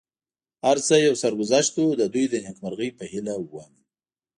هر څه یو سرګذشت و، د دوی د نېکمرغۍ په هیله ووم.